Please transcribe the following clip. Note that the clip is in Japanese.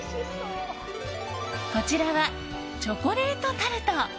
こちらはチョコレートタルト。